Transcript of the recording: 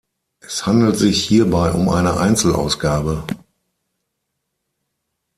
Es handelt sich hierbei um eine Einzelausgabe.